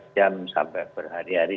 dua puluh empat jam sampai berhari hari